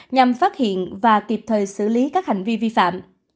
nhằm phát hiện và kịp thời xử lý các hành vi vi phạm